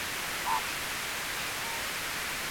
که ته انصاف وکړې، خلګ درناوی کوي.